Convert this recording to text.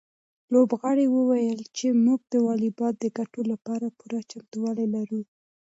لوبغاړي وویل چې موږ د واليبال د ګټلو لپاره پوره چمتووالی لرو.